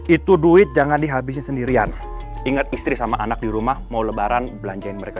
itu duit jangan dihabisin sendirian ingat istri sama anak di rumah mau lebaran belanjain mereka